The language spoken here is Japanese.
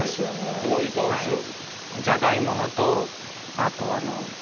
すごいいい香りする。